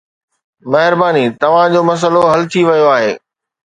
مهرباني، توهان جو مسئلو حل ٿي ويو آهي